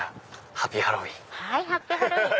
ハッピーハロウィーン！